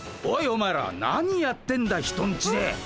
おいお前ら何やってんだ人んちで。